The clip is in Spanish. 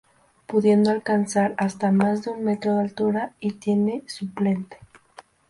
Pudiendo alcanzar hasta más de un metro de altura y tiene suplente.